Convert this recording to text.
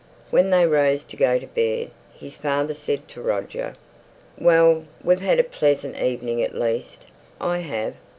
When they rose to go to bed his father said to Roger, "Well, we've had a pleasant evening at least, I have.